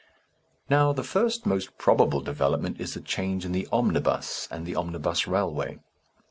Now, the first most probable development is a change in the omnibus and the omnibus railway.